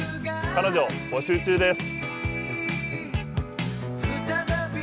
彼女募集中です！